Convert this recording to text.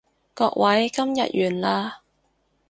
各位，今日完啦